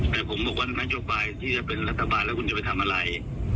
แต่ผมล่วงว่าแม้จะไปที่จะเป็นลัตบาร์แล้วคุณจะไปทำอะไร